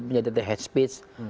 menjadi head speech